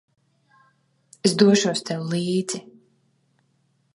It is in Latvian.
Es došos tev līdzi.